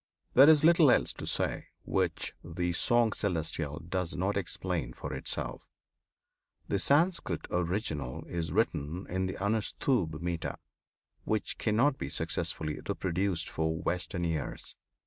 There is little else to say which the "Song Celestial" does not explain for itself. The Sanskrit original is written in the Anushtubh metre, which cannot be successfully reproduced for Western ears.